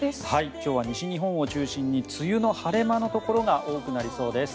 今日は西日本を中心に梅雨の晴れ間のところが多くなりそうです。